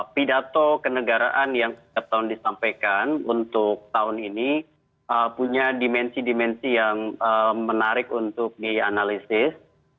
pidato kenegaraan yang setiap tahun disampaikan untuk tahun ini punya dimensi dimensi yang menarik untuk dianalisis